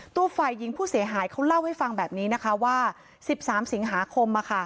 ตัวฝ่ายหญิงผู้เสียหายเขาเล่าให้ฟังแบบนี้นะคะว่า๑๓สิงหาคม